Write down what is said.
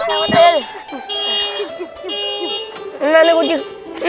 liat deh kucing